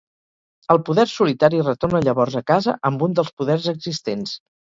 El Poder Solitari retorna llavors a "casa" amb un dels Poders Existents.